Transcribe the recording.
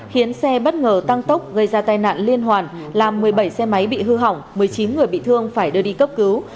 khiến xe bất ngờ tăng tốc gây ra tai nạn liên hoàn làm một mươi bảy xe máy bị hư hỏng một mươi chín người bị thương phải đưa đi cấp cứu